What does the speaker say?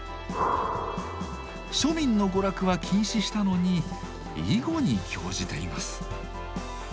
庶民の娯楽は禁止したのに囲碁に興じています。